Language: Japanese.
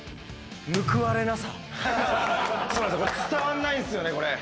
伝わんないんすよね。